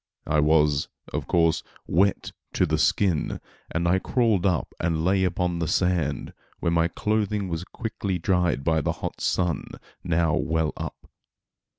I was, of course, wet to the skin, and I crawled up and lay upon the sand where my clothing was quickly dried by the hot sun, now well up.